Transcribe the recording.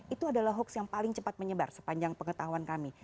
itu adalah hoax yang paling cepat menyebar sepanjang pengetahuan kami